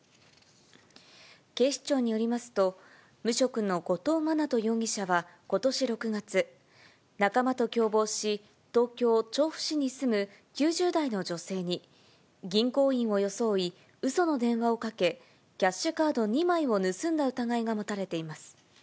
警視庁によりますと、無職の後藤真斗容疑者はことし６月、仲間と共謀し、東京・調布市に住む９０代の女性に、銀行員を装い、うその電話をかけ、キャッシュカード２枚を盗んだ疑いが持たれています。